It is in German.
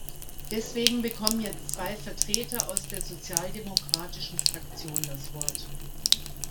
Deswegen bekommen jetzt zwei Vertreter aus der Sozialdemokratischen Fraktion das Wort.